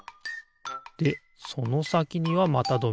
でそのさきにはまたドミノ。